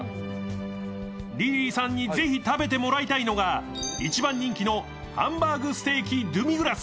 リリーさんにぜひ、食べてもらいたいのが一番人気のハンバーグステーキドゥミグラス